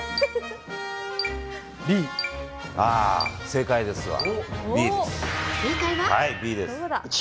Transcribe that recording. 正解ですわ。